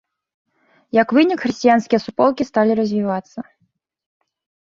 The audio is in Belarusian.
Як вынік, хрысціянскія суполкі сталі развівацца.